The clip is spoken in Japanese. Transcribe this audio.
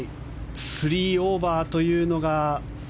３オーバーというのが。